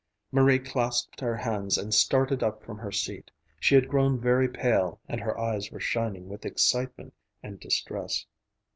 Marie clasped her hands and started up from her seat. She had grown very pale and her eyes were shining with excitement and distress.